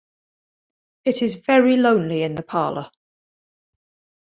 It is very lonely in the parlor.